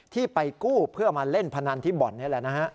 ที่ไปกู้เพื่อมาเล่นพนันที่บ่อนนี่แหละนะฮะ